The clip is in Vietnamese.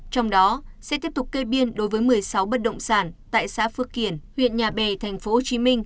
trong đó sẽ tiếp tục kê biên đối với một mươi sáu bất động sản tại xã phước kiển huyện nhà bè tp hcm